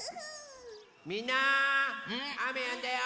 みんなあめやんだよ！